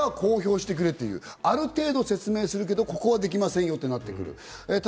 じゃあ公表してくれというある程度説明するけど、ここはできませんよとなってくる。